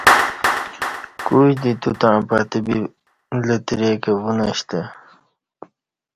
کوی دے توتݩع پتہ بی لترے کہ وونشتہ